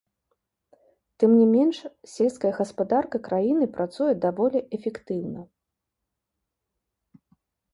Тым не менш, сельская гаспадарка краіны працуе даволі эфектыўна.